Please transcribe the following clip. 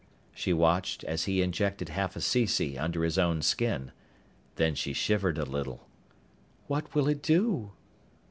She watched as he injected half a cc. under his own skin. Then she shivered a little. "What will it do?"